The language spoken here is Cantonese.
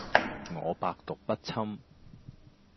我百毒不侵